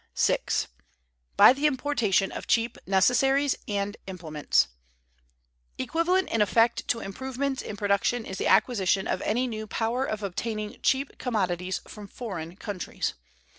§ 6. —by the importation of cheap Necessaries and Implements. Equivalent in effect to improvements in production is the acquisition of any new power of obtaining cheap commodities from foreign countries.